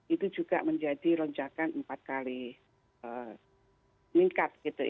itu juga menjadi lonjakan empat kali meningkat